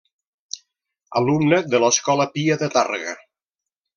Alumne de l'Escola Pia de Tàrrega.